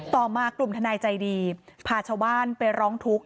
ต่อมากลุ่มทนายใจดีพาชาวบ้านไปร้องทุกข์